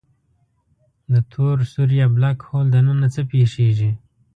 د تور سوری Black Hole دننه څه پېښېږي؟